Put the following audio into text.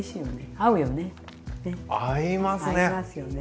合いますよね。